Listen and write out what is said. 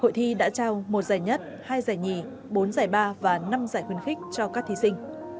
hội thi đã trao một giải nhất hai giải nhì bốn giải ba và năm giải khuyến khích cho các thí sinh